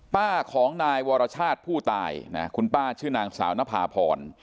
ป้าของนายวรชาติผู้ตายนะคุณป้าชื่อนางสาวนภาพร